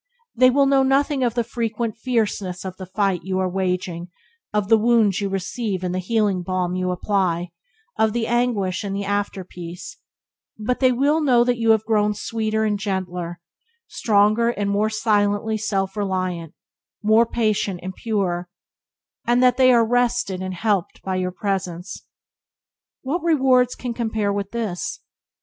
They will know nothing of the frequent fierceness of the fight you are waging, of the wounds you receive and the healing balm you apply, of the anguish and the after peace; but they will know that you have grown sweeter and gentler, stronger and more silently self reliant, more patient and pure, and that they are rested and helped by your presence. What rewards can compare with this?